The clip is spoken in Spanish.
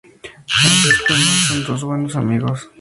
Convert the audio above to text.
Francisco y Mon son dos buenos amigos.